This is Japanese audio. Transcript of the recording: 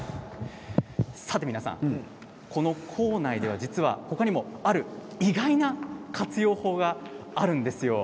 さて皆さん、この坑内では実は他にもある意外な活用法があるんです。